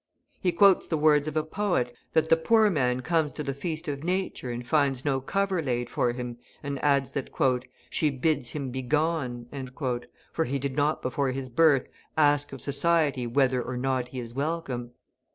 He quotes the words of a poet, that the poor man comes to the feast of Nature and finds no cover laid for him, and adds that "she bids him begone," for he did not before his birth ask of society whether or not he is welcome.